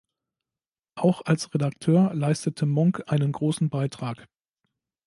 Auch als Redakteur leistete Monk einen großen Beitrag.